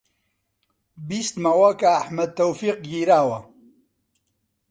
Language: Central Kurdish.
بیستمەوە کە ئەحمەد تەوفیق گیراوە